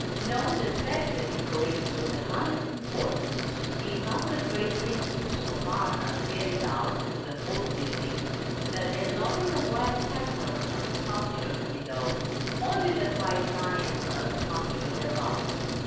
Note especially for it is of the highest importance to see how the great principles of art are carried out through the whole building that, as only the white capitals are sculptured below, only the white triangles are sculptured above.